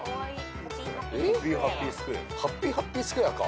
ハッピー・ハッピースクエアか。